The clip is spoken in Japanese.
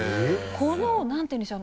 このなんて言うんでしょう？